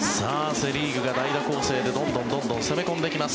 セ・リーグが代打攻勢でどんどん攻め込んできます。